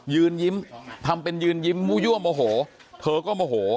ยืนยิ้มทำเป็นยืนยิ้มมั่วโมโหเธอก็โมโห